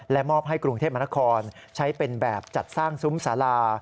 มอบให้กรุงเทพมนครใช้เป็นแบบจัดสร้างซุ้มสาลา